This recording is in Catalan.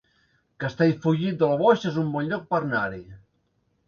Castellfollit del Boix es un bon lloc per anar-hi